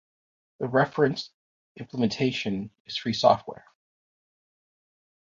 The reference implementation is free software.